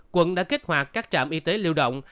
quận đã kích hoạt các trạm y tế lưu động